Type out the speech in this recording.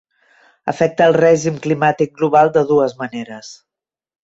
Afecta el règim climàtic global de dues maneres.